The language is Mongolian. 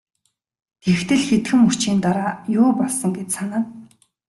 Тэгтэл хэдхэн мөчийн дараа юу болсон гэж санана.